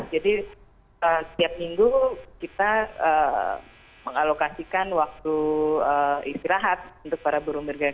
jadi setiap minggu kita mengalokasikan waktu istirahat untuk para buru migran